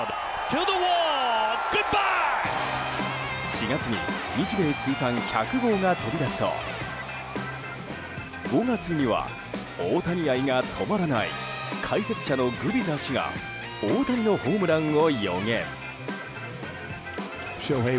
４月に日米通算１００号が飛び出すと５月には大谷愛が止まらない解説者のグビザ氏が大谷のホームランを予言。